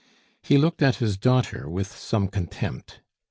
He looked at his daughter with some contempt.